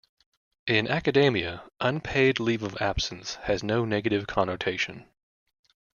In academia, "unpaid leave of absence" has no negative connotation.